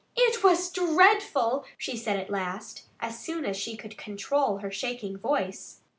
"It was dreadful!" she said at last, as soon as she could control her shaking voice.